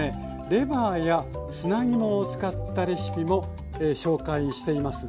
レバーや砂肝を使ったレシピも紹介しています。